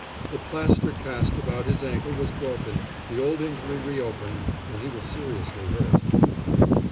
The plaster cast about his ankle was broken, the old injury reopened, and he was seriously hurt.